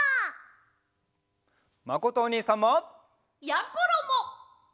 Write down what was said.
まことおにいさんも！やころも！